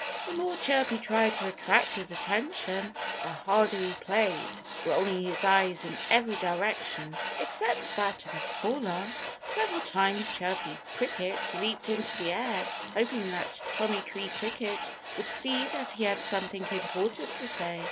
The more Chirpy tried to attract his attention the harder he played, rolling his eyes in every direction except that of his caller. Several times Chirpy Cricket leaped into the air, hoping that Tommy Tree Cricket would see that he had something important to say.